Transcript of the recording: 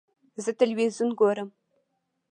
ه تلویزیون ګورم.